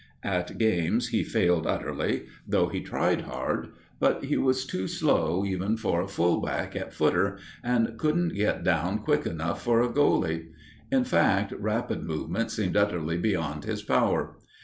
At games he failed utterly, though he tried hard; but he was too slow even for a full back at "footer," and couldn't get down quick enough for a "goaley"; in fact, rapid movement seemed utterly beyond his power.